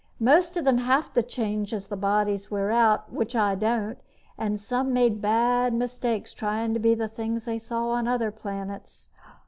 Most of them have to change as the bodies wear out, which I don't, and some made bad mistakes tryin' to be things they saw on other planets."